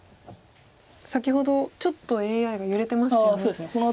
先ほどちょっとＡＩが揺れてましたよね。